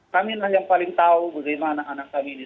kami yang paling tahu bagaimana anak kami ini